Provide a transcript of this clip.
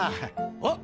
あっ！